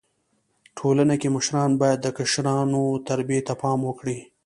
ټولنه کي مشران بايد د کشرانو و تربيي ته پام وکړي.